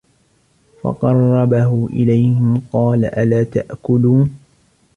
فَقَرَّبَهُ إِلَيْهِمْ قَالَ أَلَا تَأْكُلُونَ